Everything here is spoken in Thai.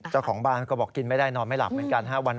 เจ้าของบ้านก็บอกกินไม่ได้นอนไม่หลับเหมือนกัน